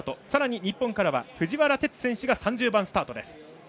さらに、日本からは藤原哲選手が３０番スタートです。